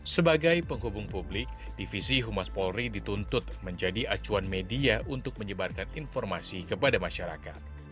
sebagai penghubung publik divisi humas polri dituntut menjadi acuan media untuk menyebarkan informasi kepada masyarakat